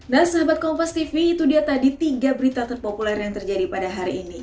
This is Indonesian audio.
nah sahabat kompas tv itu dia tadi tiga berita terpopuler yang terjadi pada hari ini